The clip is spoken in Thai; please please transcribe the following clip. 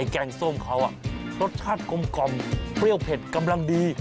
แกงส้มเขารสชาติกลมเปรี้ยวเผ็ดกำลังดี